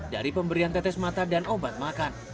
dari pemberian tetes mata dan obat makan